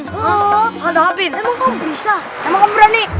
hah hadapin emang kamu bisa emang kamu berani